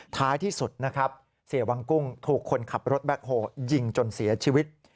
ท้ายที่สุดนะครับเสียวังกุ้งถูกคนขับรถแบ็คโฮยิงจนเสียชีวิต